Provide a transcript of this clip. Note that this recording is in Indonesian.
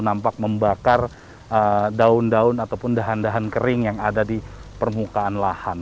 nampak membakar daun daun ataupun dahan dahan kering yang ada di permukaan lahan